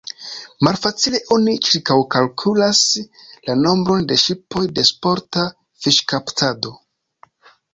Malfacile oni ĉirkaŭkalkulas la nombron de ŝipoj de sporta fiŝkaptado.